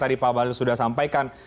tadi pak bahlil sudah sampaikan